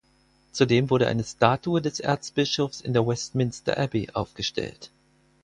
Zudem wurde eine Statue des Erzbischofs in der Westminster Abbey aufgestellt.